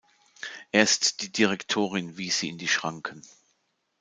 Erst die Direktorin wies sie in die Schranken.